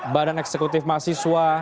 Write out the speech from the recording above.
badan eksekutif mahasiswa